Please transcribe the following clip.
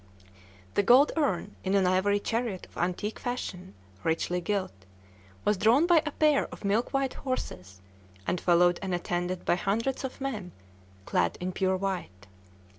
The gold urn, in an ivory chariot of antique fashion, richly gilt, was drawn by a pair of milk white horses, and followed and attended by hundreds of men clad in pure white.